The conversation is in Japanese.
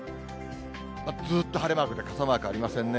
ずっと晴れマークで傘マークありませんね。